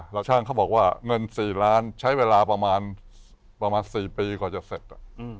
ช่างเขาบอกว่าเงิน๔ล้านใช้เวลาประมาณ๔ปีกว่าจะเสร็จ